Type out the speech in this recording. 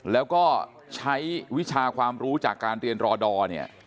แล้วก็ใช้วิชาความรู้จากการเรียนรอดอร์เนี่ย